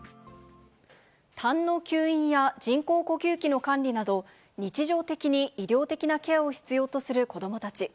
たんの吸引や人工呼吸器の管理など、日常的に医療的なケアを必要とする子どもたち。